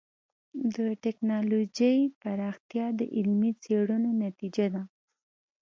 د ټکنالوجۍ پراختیا د علمي څېړنو نتیجه ده.